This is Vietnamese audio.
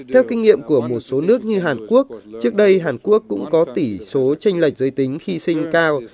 theo kinh nghiệm của một số nước như hàn quốc trước đây hàn quốc cũng có tỷ số tranh lệch giới tính khi sinh cao